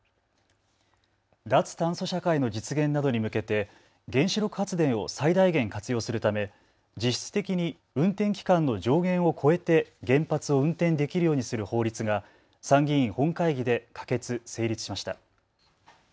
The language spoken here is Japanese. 脱炭素社会の実現などに向けて原子力発電を最大限活用するため実質的に運転期間の上限を超えて原発を運転できるようにする法律が参議院本会議で可決・成立しました。